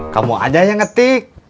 kamu aja yang ngetik